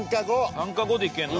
３か５でいけるの？